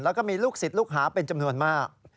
แล้วก็มีลูกศิษย์ลูกหาเป็นจำนวนมาก